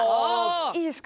いいですか。